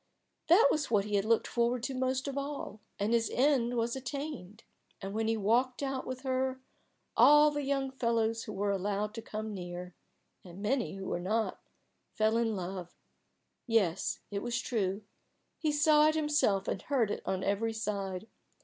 That was what he had looked forward to most of all, and his end was attained. And when he walked out with her, all the young fellows who were allowed to come near and many who were not fell in love. Yes, it was true; he saw it himself and heard it on every side.